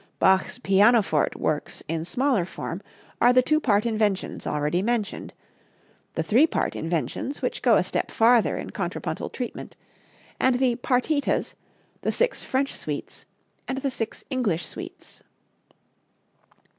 Bach's pianoforte works in smaller form are the "Two Part Inventions" already mentioned; the "Three Part Inventions," which go a step farther in contrapuntal treatment, and the "Partitas," the six "French Suites" and the six "English Suites."